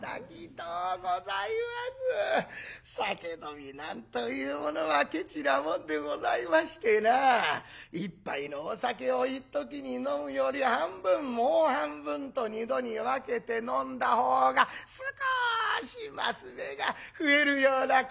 酒飲みなんというものはケチなもんでございましてな１杯のお酒をいっときに飲むより半分もう半分と２度に分けて飲んだほうが少し升目が増えるような気がいたしまして。